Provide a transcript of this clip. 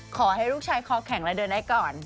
ขอให้ลูกชายคอแข็งและเดินได้ก่อน